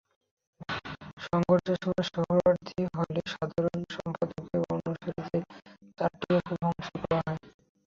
সংঘর্ষের সময় সোহরাওয়ার্দী হলে সাধারণ সম্পাদকের অনুসারীদের চারটি কক্ষ ভাঙচুর করা হয়।